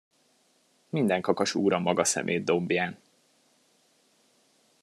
Minden kakas úr a maga szemétdombján.